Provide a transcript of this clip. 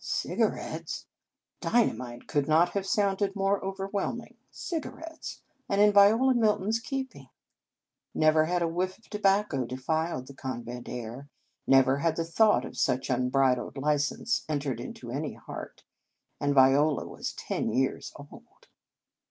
Cigarettes! Dynamite could not have sounded more overwhelming. Cigarettes, and in Viola Milton s keep ing! Never had a whiff of tobacco defiled the convent air. Never had the thought of such unbridled license entered into any heart. And Viola was ten years old.